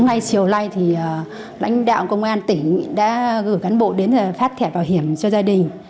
ngay chiều nay thì lãnh đạo công an tỉnh đã gửi cán bộ đến phát thẻ bảo hiểm cho gia đình